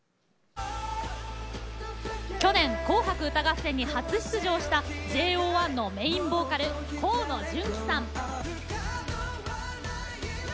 去年「紅白歌合戦」に初出場したＪＯ１のメインボーカル河野純喜さん。